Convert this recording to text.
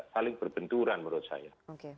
paling berbenturan menurut saya